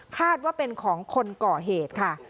คาดว่าเป็นของคนก่อเหตุค่ะ